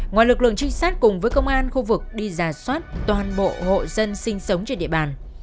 ngoài lực lượng trinh sát cùng với công an khu vực đi giả soát toàn bộ hộ dân sinh sống trên địa bàn